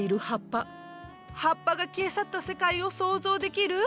葉っぱが消え去った世界を想像できる？